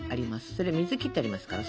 それ水切ってありますから。